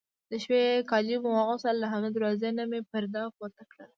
د شپې کالي مې واغوستل، له هغې دروازې نه مې پرده پورته کړل.